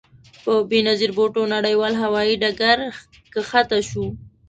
په بې نظیر بوټو نړیوال هوايي ډګر کښته شوو.